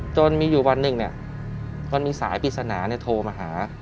จนมีอยู่วันหนึ่งเนี่ยก็มีสายปริศนาเนี่ยโทรมาหา